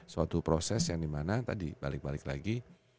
suatu proses yang dimana tadi balik balik lagi